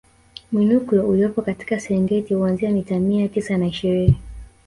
Mwinuklo uliopo katika Serengeti huanzia mita mia tisa na ishirini